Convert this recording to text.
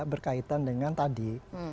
berkaitan dengan tadi